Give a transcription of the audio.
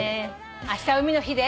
あした海の日で？